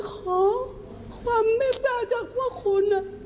ความไม่เปลือนจากลูกคุณ